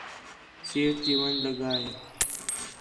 سیٹ تی ون٘ڄ لڳا ہِے